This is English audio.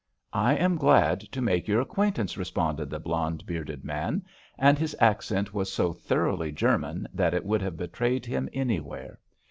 "I am glad to make your acquaintance," responded the blond bearded man, and his accent was so thoroughly German that it would have betrayed him anywhere.